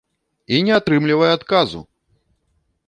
І не атрымлівае адказу!